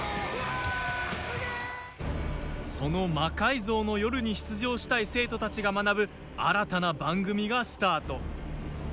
その「魔改造の夜」に出場したい生徒たちが学ぶ新たな番組がスタート。